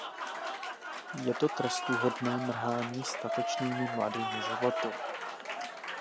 Je to trestuhodné mrhání statečnými mladými životy!